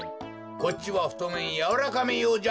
こっちはふとめんやわらかめようじゃ！